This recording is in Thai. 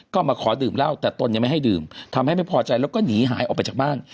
ก็มาขอดื่มเหล้าแต่ตนยังไม่ให้ดื่มทำให้ไม่พอใจแล้วก็หนีหายออกไปจากบ้าน